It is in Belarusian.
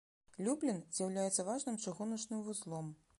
Люблін з'яўляецца важным чыгуначным вузлом.